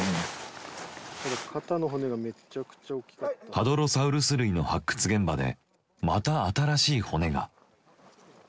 ハドロサウルス類の発掘現場でまた新しい骨が。